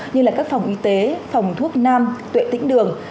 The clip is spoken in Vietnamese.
như các phòng y tế phòng thuốc nam tuệ tĩnh đường